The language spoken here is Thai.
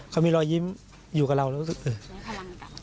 เขามีรอยยิ้มอยู่กับเราแล้วรู้สึก